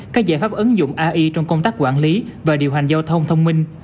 các giải pháp ứng dụng ai trong công tác quản lý và điều hành giao thông thông minh